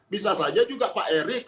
bisa saja juga pak erik